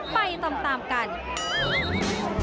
หลังจากสิ้นการปล่อยทานปรากฏว่ามีประชาชน๕คน